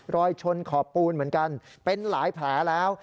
รอยชนขอบปูนเหมือนกันเป็นหลายแผลแล้ว